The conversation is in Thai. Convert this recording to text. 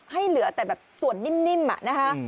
ให้เหลือแต่แบบส่วนนิ่มนะคะ